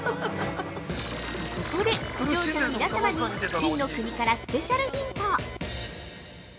◆ここで視聴者の皆様に金の国からスペシャルヒント！